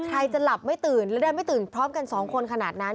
ใครจะหลับไม่ตื่นแล้วได้ไม่ตื่นพร้อมกันสองคนขนาดนั้น